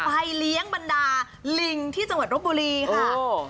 เลี้ยงบรรดาลิงที่จังหวัดรบบุรีค่ะ